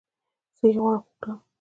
صحي خواړه وخوره .